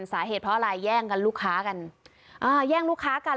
สาเหตุเพราะอะไรแย่งกันลูกค้ากันอ่าแย่งลูกค้ากัน